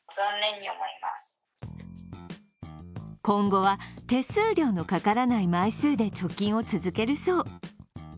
今後は手数料のかからない枚数で貯金を続けるそう。